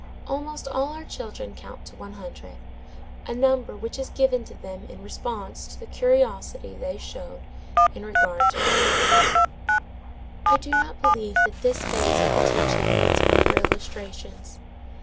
Almost all our children count to 100, a number which was given to them in response to the curiosity they showed in regard to learning it. I do not believe that this phase of the teaching needs further illustrations.